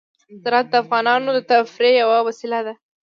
زراعت د افغانانو د تفریح یوه وسیله ده.